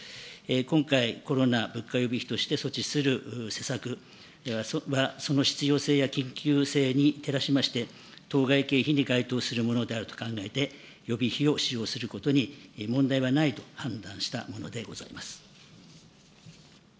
今回、コロナ物価予備費として措置する施策では、その必要性や緊急性に照らしまして、当該経費に該当するものであると考えて予備費を使用することに問題はないと判断したものでございます。